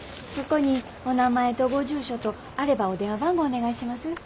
ここにお名前とご住所とあればお電話番号お願いします。